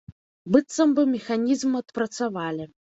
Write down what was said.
Быццам бы механізм адпрацавалі.